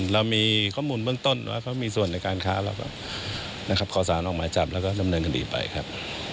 เรามีข้อมูลเบื้องต้นว่ามีส่วนในการค้าเราก็ขอสารออกมาจับแล้วก็เริ่มเริ่มกันดีไปครับ